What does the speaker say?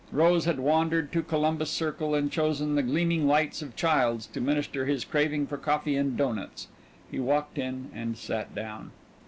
Rose had wandered to Columbus Circle and chosen the gleaming lights of Childs' to minister to his craving for coffee and doughnuts. He walked in and sat down.